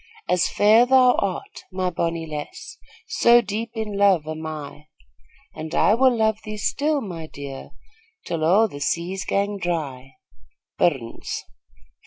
As fair art thou, my bonnie lass, So deep in luve am I; And I will luve thee still, my dear, Till a' the seas gang dry. Burns.